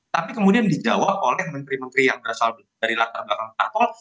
tapi kemudian dijawab oleh menteri menteri yang berasal dari latar belakang parpol